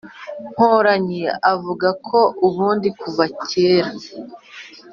Mporanyi, avuga ko ubundi kuva kera